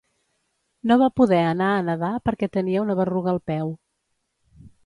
No va poder anar a nadar perquè tenia una berruga al peu.